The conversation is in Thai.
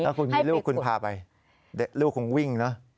ถ้าคุณมีลูกคุณพาไปลูกคงวิ่งเนอะ